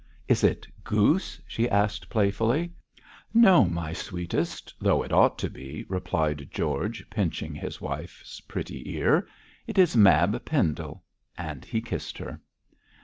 'Is it goose?' she asked playfully. 'No, my sweetest, although it ought to be!' replied George, pinching his wife's pretty ear. 'It is Mab Pendle!' and he kissed her.